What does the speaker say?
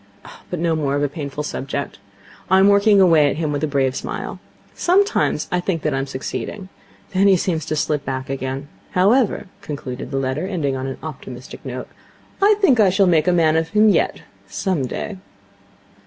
But no more of a painful subject. I am working away at him with a brave smile. Sometimes I think that I am succeeding. Then he seems to slip back again. However,' concluded the letter, ending on an optimistic note, 'I think that I shall make a man of him yet some day.'